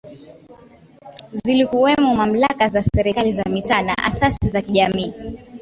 Zilikuwemo Mamlaka za Serikali za Mitaa na Asasi za Kijamii